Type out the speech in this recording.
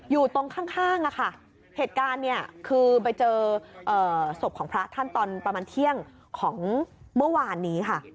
อยู่ตรงข้างอะค่ะเหตุการณ์เนี่ยคือไปเจอศพของพระท่านตอนประมาณเที่ยงของเมื่อวานนี้ค่ะ